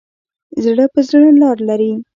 زړه په زړه لار لري.